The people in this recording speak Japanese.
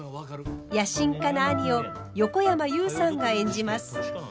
野心家な兄を横山裕さんが演じます。